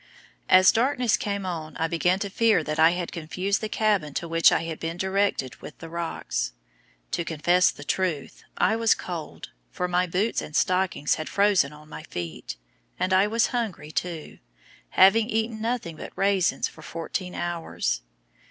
As darkness came on I began to fear that I had confused the cabin to which I had been directed with the rocks. To confess the truth, I was cold, for my boots and stockings had frozen on my feet, and I was hungry too, having eaten nothing but raisins for fourteen hours.